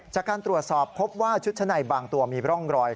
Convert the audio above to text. จากการตรวจสอบพบว่าชุดชะในบางตัวมีร่องรอย